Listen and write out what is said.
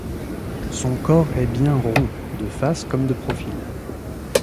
Son corps est bien rond, de face comme de profil.